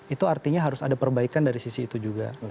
itu artinya harus ada perbaikan dari sisi itu juga